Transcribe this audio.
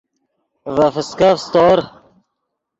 ڤے فسکف سیتور